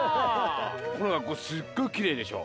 このがっこうすっごいきれいでしょ？